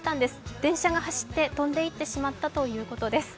電車が走って飛んでいってしまったということです。